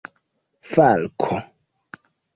falko